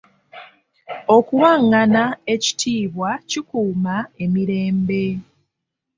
Okuwangana ekitiibwa kikuuma emirembe.